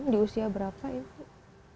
di usia berapa itu